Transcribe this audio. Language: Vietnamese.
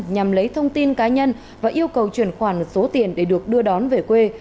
nhằm lấy thông tin cá nhân và yêu cầu chuyển khoản số tiền để được đưa đón về quê